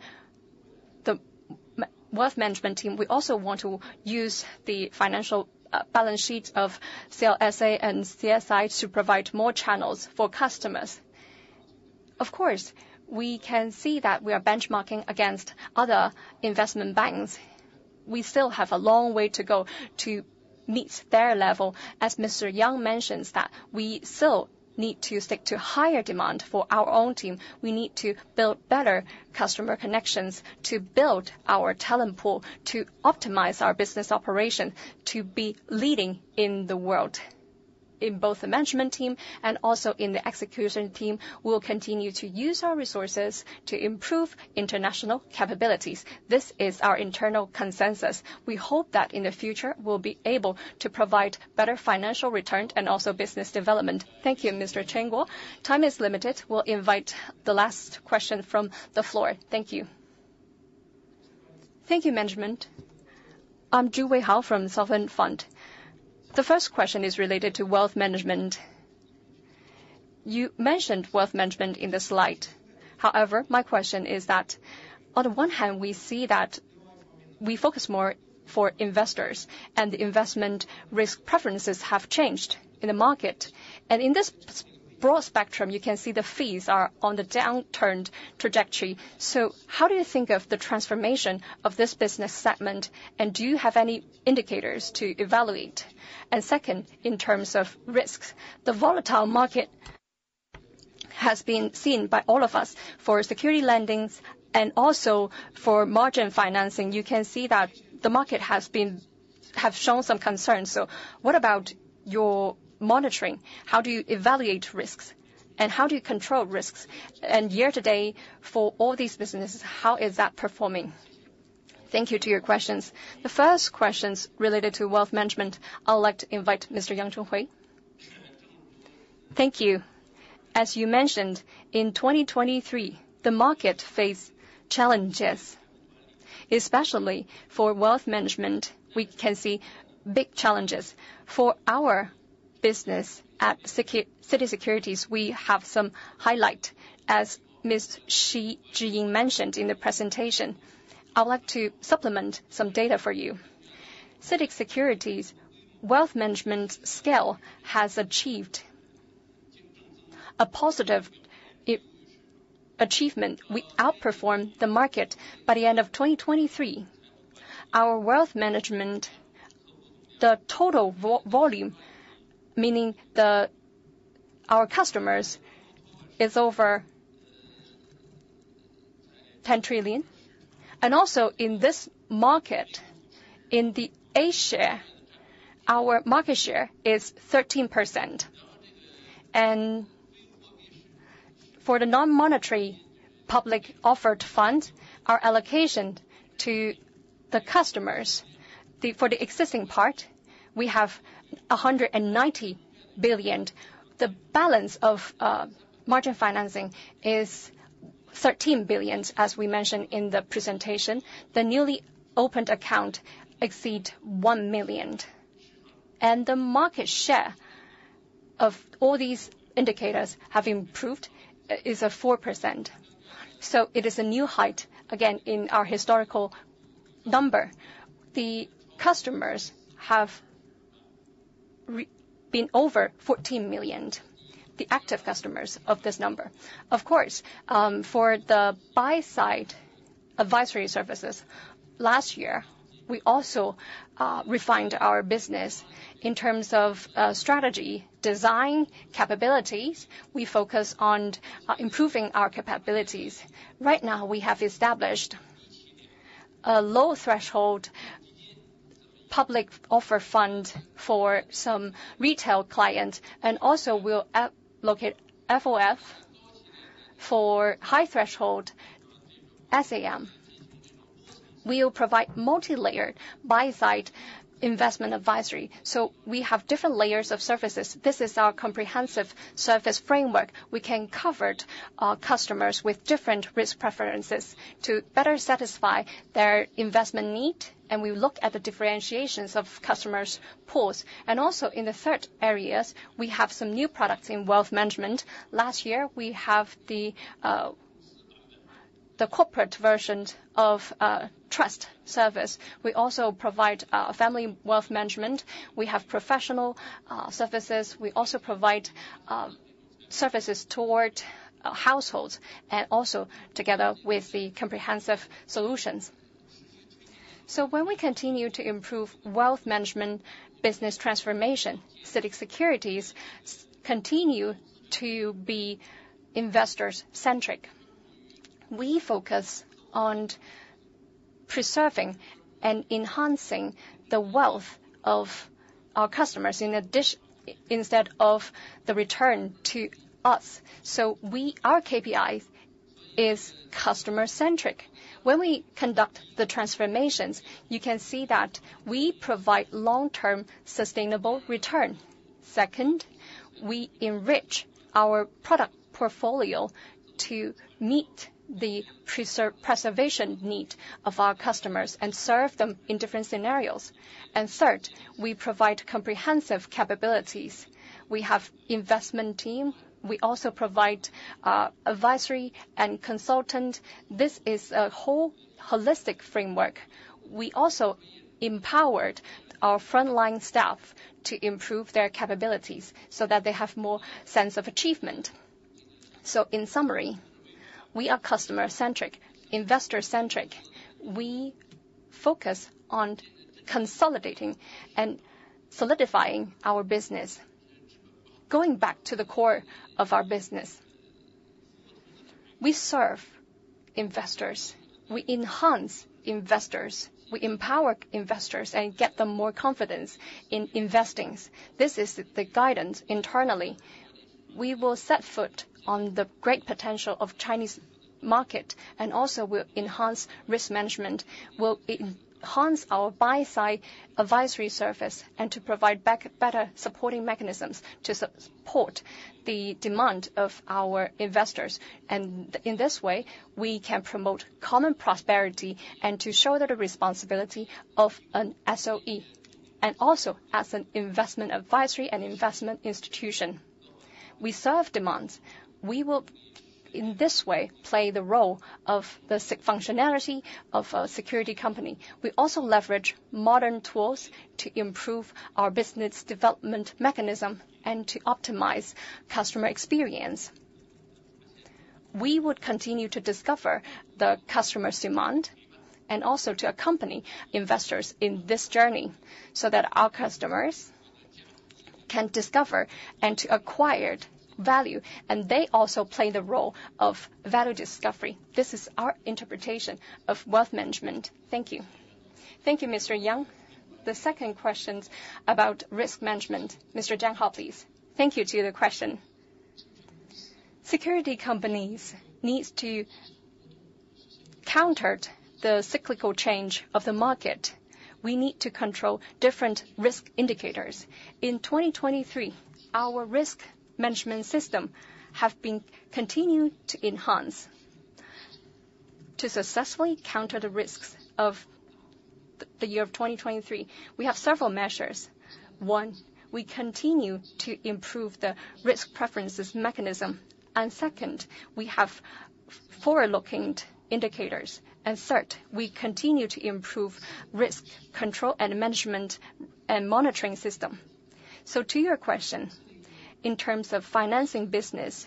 the wealth management team. We also want to use the financial balance sheet of CLSA and CSI to provide more channels for customers. Of course, we can see that we are benchmarking against other investment banks. We still have a long way to go to meet their level. As Mr. Yang mentions, that we still need to stick to higher demand for our own team. We need to build better customer connections to build our talent pool, to optimize our business operation, to be leading in the world. In both the management team and also in the execution team, we'll continue to use our resources to improve international capabilities. This is our internal consensus. We hope that in the future, we'll be able to provide better financial return and also business development. Thank you, Mr. Chen Guo. Time is limited. We'll invite the last question from the floor. Thank you. Thank you, management. I'm Zhu Weihao from Southern Fund. The first question is related to wealth management. You mentioned wealth management in the slide. However, my question is that, on the one hand, we see that we focus more for investors, and the investment risk preferences have changed in the market. And in this broad spectrum, you can see the fees are on the downturned trajectory. So how do you think of the transformation of this business segment? And do you have any indicators to evaluate? And second, in terms of risks, the volatile market has been seen by all of us. For security lendings and also for margin financing, you can see that the market has shown some concern. So what about your monitoring? How do you evaluate risks, and how do you control risks? And year-to-date, for all these businesses, how is that performing? Thank you to your questions. The first questions related to wealth management, I'd like to invite Mr. Yang Minghui. Thank you. As you mentioned, in 2023, the market faced challenges. Especially for wealth management, we can see big challenges. For our business at CITIC Securities, we have some highlights, as Ms. Xi Zhiying mentioned in the presentation. I'd like to supplement some data for you. CITIC Securities' wealth management scale has achieved a positive achievement. We outperformed the market. By the end of 2023, our wealth management, the total volume, meaning our customers, is over 10 trillion. Also, in this market, in the A-share, our market share is 13%. For the non-monetary public offered fund, our allocation to the customers, for the existing part, we have 190 billion. The balance of margin financing is 13 billion, as we mentioned in the presentation. The newly opened account exceed 1 million. The market share of all these indicators have improved, is at 4%, so it is a new height again in our historical number. The customers have been over 14 million, the active customers of this number. Of course, for the buy side advisory services, last year, we also refined our business in terms of strategy, design, capabilities. We focused on improving our capabilities. Right now, we have established a low-threshold public offer fund for some retail clients, and also we'll allocate FOF for high-threshold SAM. We'll provide multilayered, buy-side investment advisory, so we have different layers of services. This is our comprehensive service framework. We can cover our customers with different risk preferences to better satisfy their investment need, and we look at the differentiations of customers' pools. Also, in the third areas, we have some new products in wealth management. Last year, we have the corporate version of trust service. We also provide family wealth management. We have professional services. We also provide services toward households and also together with the comprehensive solutions. So when we continue to improve wealth management business transformation, CITIC Securities continue to be investor-centric. We focus on preserving and enhancing the wealth of our customers instead of the return to us. So our KPI is customer-centric. When we conduct the transformations, you can see that we provide long-term sustainable return. Second, we enrich our product portfolio to meet the preservation need of our customers and serve them in different scenarios. And third, we provide comprehensive capabilities. We have investment team, we also provide advisory and consultant. This is a whole holistic framework. We also empowered our frontline staff to improve their capabilities so that they have more sense of achievement. So in summary, we are customer-centric, investor-centric. We focus on consolidating and solidifying our business. Going back to the core of our business, we serve investors, we enhance investors, we empower investors and get them more confidence in investings. This is the guidance internally. We will set foot on the great potential of Chinese market, and also we'll enhance risk management. We'll enhance our buy-side advisory service, and to provide better supporting mechanisms to support the demand of our investors. And in this way, we can promote common prosperity and to show that the responsibility of an SOE, and also as an investment advisory and investment institution. We serve demands. We will, in this way, play the role of the securities functionality of a securities company. We also leverage modern tools to improve our business development mechanism and to optimize customer experience. We would continue to discover the customer's demand, and also to accompany investors in this journey, so that our customers can discover and to acquire value, and they also play the role of value discovery. This is our interpretation of wealth management. Thank you. Thank you, Mr. Yang. The second question's about risk management. Mr. Zhang Hao, please. Thank you to the question. Securities companies need to counter the cyclical change of the market. We need to control different risk indicators. In 2023, our risk management system has been continued to enhance. To successfully counter the risks of the year of 2023, we have several measures. One, we continue to improve the risk preferences mechanism, and second, we have forward-looking indicators. And third, we continue to improve risk control and management and monitoring system. So to your question, in terms of financing business,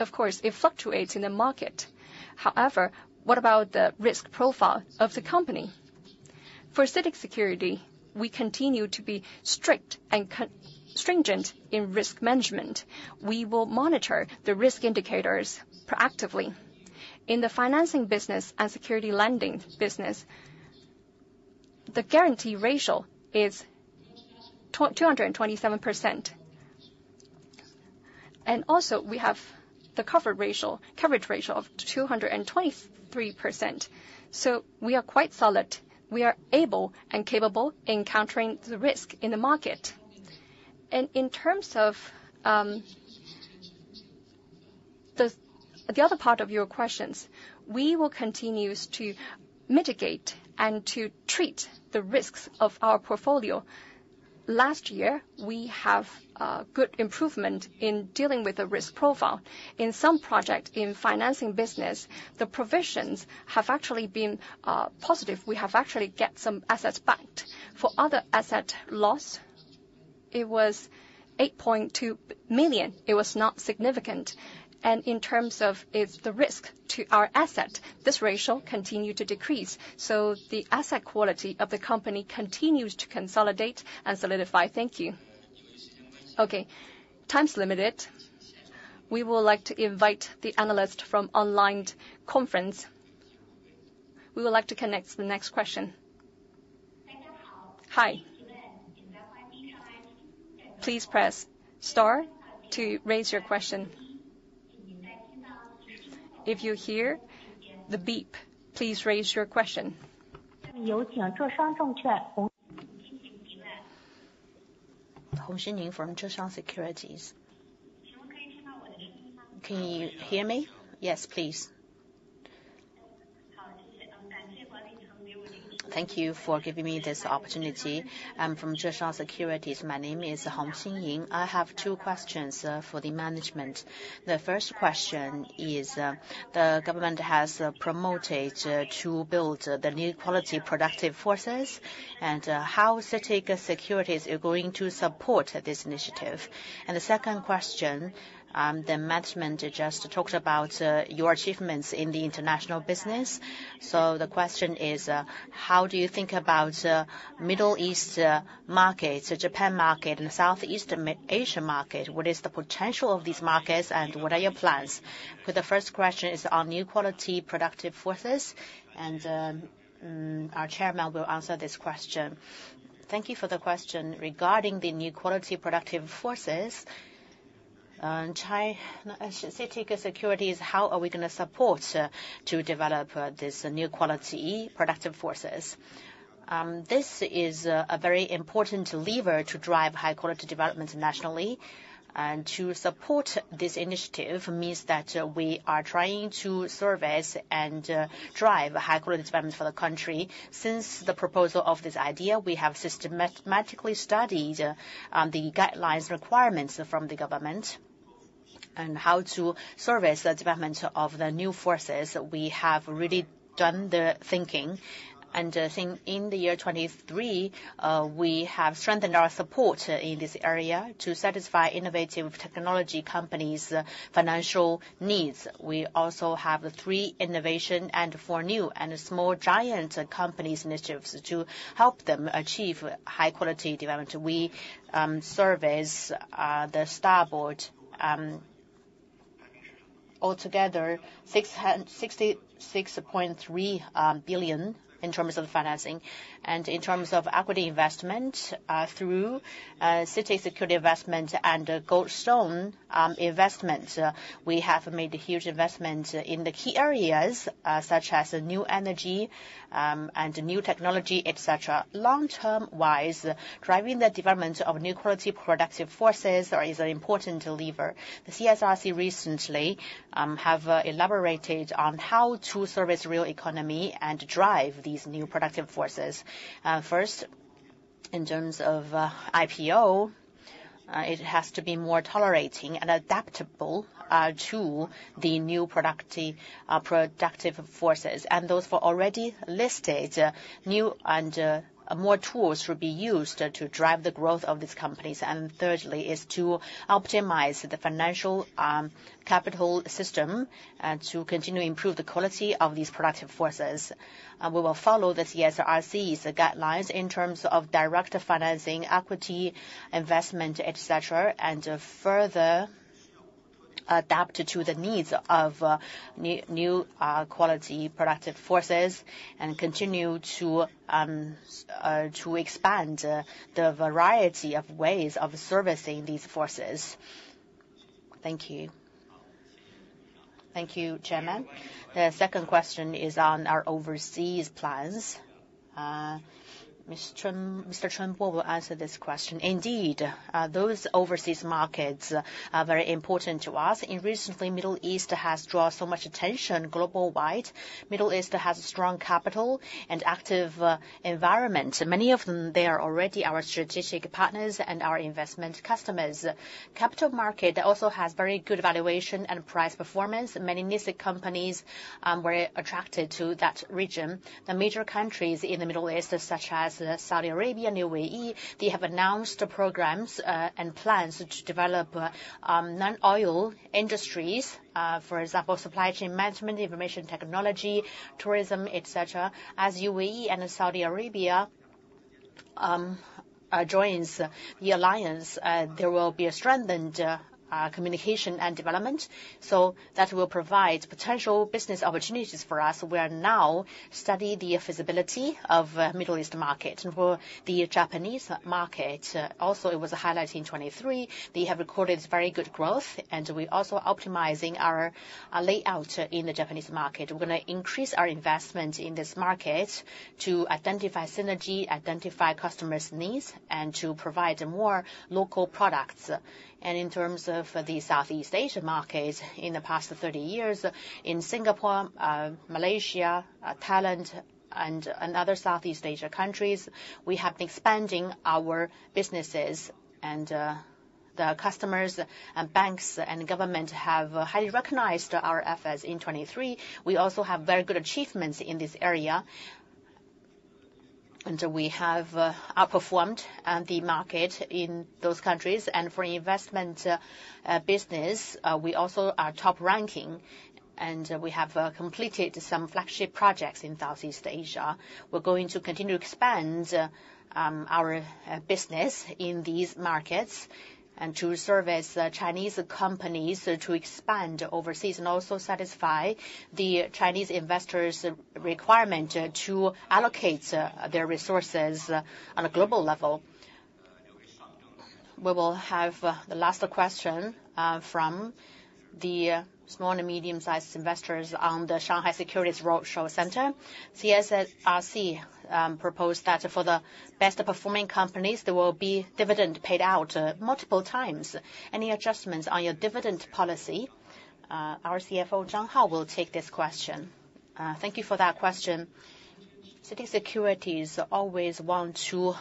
of course, it fluctuates in the market. However, what about the risk profile of the company? For CITIC Securities, we continue to be strict and stringent in risk management. We will monitor the risk indicators proactively. In the financing business and securities lending business, the guarantee ratio is two hundred and twenty-seven percent. Also, we have the covered ratio - coverage ratio of two hundred and twenty-three percent, so we are quite solid. We are able and capable in countering the risk in the market. In terms of the other part of your questions, we will continues to mitigate and to treat the risks of our portfolio. Last year, we have good improvement in dealing with the risk profile. In some project, in financing business, the provisions have actually been positive. We have actually get some assets back. For other asset loss, it was 8.2 million. It was not significant. In terms of, if the risk to our asset, this ratio continued to decrease, so the asset quality of the company continues to consolidate and solidify. Thank you. Okay, time's limited. We would like to invite the analyst from online conference. We would like to connect the next question. Hi. Please press star to raise your question. If you hear the beep, please raise your question. Hong Xining from Zhongshan Securities. Can you hear me? Yes, please. Thank you for giving me this opportunity. I'm from Zhongshan Securities. My name is Hong Xining. I have two questions for the management. The first question is, the government has promoted to build the New Quality Productive Forces, and how CITIC Securities are going to support this initiative? And the second question, the management just talked about your achievements in the international business. So the question is, how do you think about Middle East markets, the Japan market and the Southeast Asia market? What is the potential of these markets, and what are your plans? So the first question is on New Quality Productive Forces, and our Chairman will answer this question.... Thank you for the question. Regarding the New Quality Productive Forces, I should say, CITIC Securities, how are we gonna support to develop this New Quality Productive Forces? This is a very important lever to drive high quality development nationally. To support this initiative means that we are trying to service and drive high quality development for the country. Since the proposal of this idea, we have systematically studied the guidelines requirements from the government, and how to service the development of the new forces. We have really done the thinking, and think in the year 2023, we have strengthened our support in this area to satisfy innovative technology companies' financial needs. We also have Three Innovations and Four New, and Small Giant companies' initiatives to help them achieve high quality development. We service the STAR Market altogether 66.3 billion in terms of financing. In terms of equity investment, through CITIC Securities Investment and Goldstone Investment, we have made a huge investment in the key areas such as new energy and new technology, et cetera. Long-term wise, driving the development of New Quality Productive Forces is an important lever. The CSRC recently have elaborated on how to service real economy and drive these new productive forces. First, in terms of IPO, it has to be more tolerating and adaptable to the new productive forces, and those who are already listed, new and more tools will be used to drive the growth of these companies. And thirdly is to optimize the financial, capital system, to continue to improve the quality of these productive forces. We will follow the CSRC's guidelines in terms of direct financing, equity, investment, et cetera, and, further adapt to the needs of, new quality productive forces, and continue to expand the variety of ways of servicing these forces. Thank you. Thank you, Chairman. The second question is on our overseas plans. Mr. Chunbo will answer this question. Indeed, those overseas markets are very important to us. And recently, Middle East has drawn so much attention global-wide. Middle East has a strong capital and active, environment. Many of them, they are already our strategic partners and our investment customers. Capital market also has very good valuation and price performance. Many listed companies were attracted to that region. The major countries in the Middle East, such as Saudi Arabia, UAE, they have announced programs and plans to develop non-oil industries for example, supply chain management, information technology, tourism, et cetera. As UAE and Saudi Arabia joins the alliance, there will be a strengthened communication and development, so that will provide potential business opportunities for us. We are now study the feasibility of Middle East market. For the Japanese market also it was a highlight in 2023. They have recorded very good growth, and we're also optimizing our layout in the Japanese market. We're gonna increase our investment in this market to identify synergy, identify customers' needs, and to provide more local products. And in terms of the Southeast Asia markets, in the past 30 years, in Singapore, Malaysia, Thailand, and other Southeast Asia countries, we have been expanding our businesses. And the customers, and banks, and government have highly recognized our efforts in 2023. We also have very good achievements in this area, and we have outperformed the market in those countries. And for investment business, we also are top ranking, and we have completed some flagship projects in Southeast Asia. We're going to continue to expand our business in these markets, and to service Chinese companies to expand overseas, and also satisfy the Chinese investors' requirement to allocate their resources on a global level. We will have the last question from the small and medium-sized investors on the Shanghai Securities Roadshow Center. CSRC proposed that for the best performing companies, there will be dividend paid out multiple times. Any adjustments on your dividend policy? Our CFO, Zhang Hao, will take this question. Thank you for that question. CITIC Securities always want to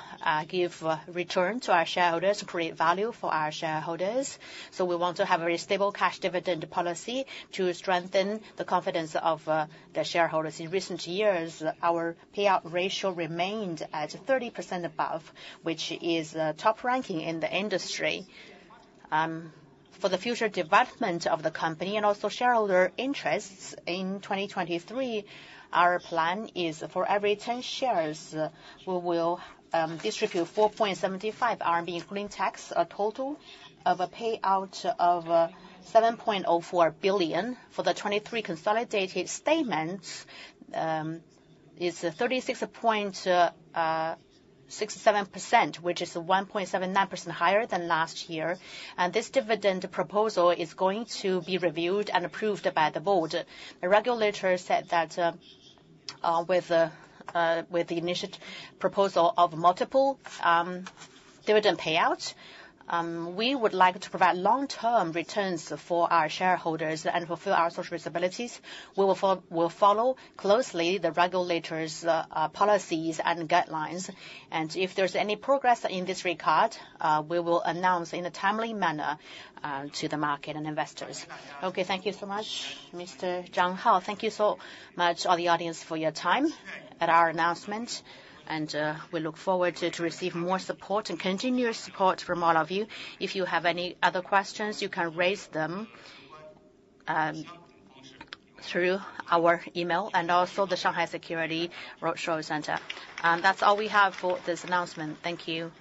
give a return to our shareholders, create value for our shareholders. So we want to have a very stable cash dividend policy to strengthen the confidence of the shareholders. In recent years, our payout ratio remained at 30% above, which is top ranking in the industry. For the future development of the company and also shareholder interests in 2023, our plan is for every 10 shares, we will distribute 4.75 RMB, including tax, a total of a payout of 7.04 billion. For the 2023 consolidated statements, is 36.67%, which is 1.79% higher than last year. This dividend proposal is going to be reviewed and approved by the board. The regulator said that, with the initial proposal of multiple dividend payouts, we would like to provide long-term returns for our shareholders and fulfill our social responsibilities. We'll follow closely the regulators' policies and guidelines, and if there's any progress in this regard, we will announce in a timely manner to the market and investors. Okay, thank you so much, Mr. Zhang Hao. Thank you so much, all the audience, for your time at our announcement, and we look forward to receive more support and continuous support from all of you. If you have any other questions, you can raise them through our email and also the Shanghai Securities Roadshow Center. That's all we have for this announcement. Thank you.